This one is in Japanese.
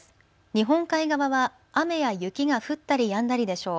日本海側は雨や雪が降ったりやんだりでしょう。